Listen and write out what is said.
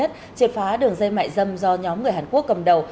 triệt phá đường dây mại dâm do nhóm người hàn quốc cầm đầu